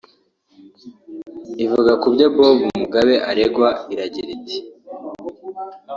ivuga ku byo Bob Mugabe aregwa iragira iti